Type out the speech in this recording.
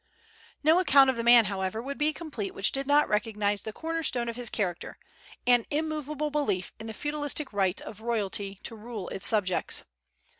No account of the man, however, would be complete which did not recognize the corner stone of his character, an immovable belief in the feudalistic right of royalty to rule its subjects.